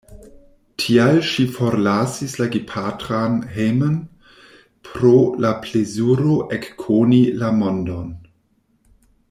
Tial ŝi forlasis la gepatran hejmon, pro la plezuro ekkoni la mondon.